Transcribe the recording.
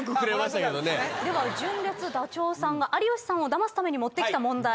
では純烈ダチョウさんが有吉さんをダマすために持ってきた問題